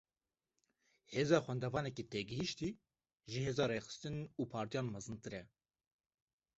Hêza xwendevanekî têgihiştî, ji hêza rêxistin û partiyan mezintir e